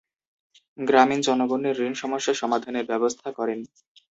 গ্রামীন জনগণের ঋণ সমস্যা সমাধানের ব্যবস্থা করেন।